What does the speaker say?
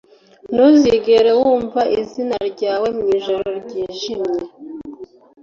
Ntuzigera wumva izina ryawe mwijoro ryijimye